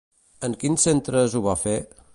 En quins centres ho va fer?